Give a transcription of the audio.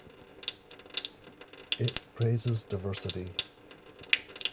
It praises diversity.